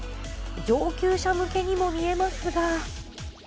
上級者向けにも見えますが。